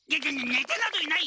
ねてなどいない！